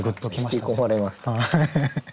引き込まれました。